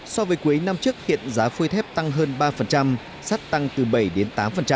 so với cuối năm trước hiện giá phôi thép tăng hơn ba sắt tăng từ bảy đến tám